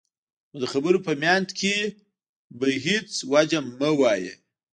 نو د خبرو په منځ کې په هېڅ وجه مه وایئ.